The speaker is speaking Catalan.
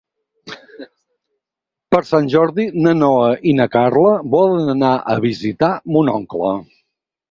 Per Sant Jordi na Noa i na Carla volen anar a visitar mon oncle.